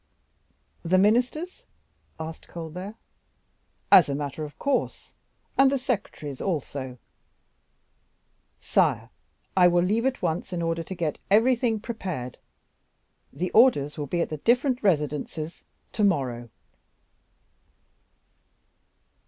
"The ministers?" asked Colbert. "As a matter of course, and the secretaries also." "Sire, I will leave at once in order to get everything prepared; the orders will be at the different residences to morrow."